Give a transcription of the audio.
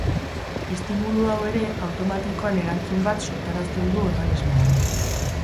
Estimulu hau era automatikoan erantzun bat sortarazten du organismoan.